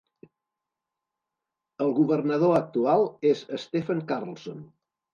El governador actual és Stefan Carlsson.